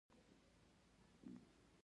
رئیس جمهور خپلو عسکرو ته امر وکړ؛ مخکې!